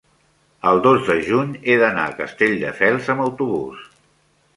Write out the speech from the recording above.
el dos de juny he d'anar a Castelldefels amb autobús.